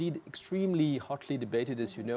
sangat banyak yang dibelanjuti